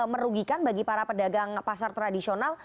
merugikan bagi para pedagang pasar tradisional